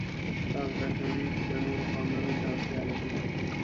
دا زده کوي چې د نورو پاملرنې ته اړتیا لري.